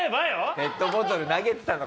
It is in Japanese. ペットボトル投げてたのかな？